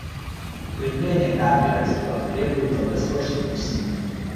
Укрепление кооперативов требует долгосрочных усилий.